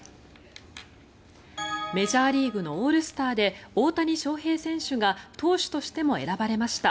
メジャーリーグのオールスターで大谷選手が投手としても選ばれました。